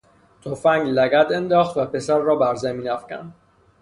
تفنگ لگد انداخت و پسر را بر زمین افکند.